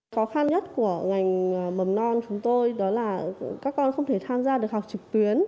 khó khăn nhất của ngành mầm non chúng tôi đó là các con không thể tham gia được học trực tuyến